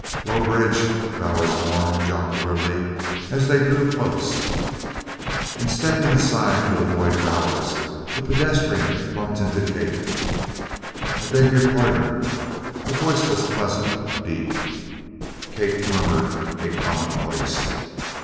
"Low bridge!" Bowers warned jocularly as they drew close. In stepping aside to avoid Bowers the pedestrian bumped into Kate. "I beg your pardon!" The voice was pleasant deep. Kate murmured a commonplace.